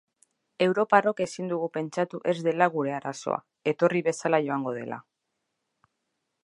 Europarrok ezin dugu pentsatu ez dela gure arazoa, etorri bezala joango dela.